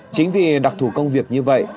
chính vì đặc thủ công việc như vậy